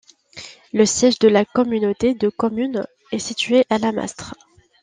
Le siège de la communauté de communes est situé à Lamastre.